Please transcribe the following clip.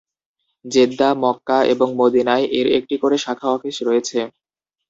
Jeddah, Mecca এবং মদীনায় এর একটি করে শাখা অফিস রয়েছে।